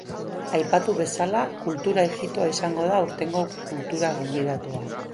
Aipatu bezala, kultura ijitoa izango da aurtengo kultura gonbidatua.